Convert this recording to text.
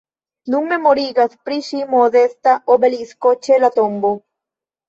Nun memorigas pri ŝi modesta obelisko ĉe la tombo.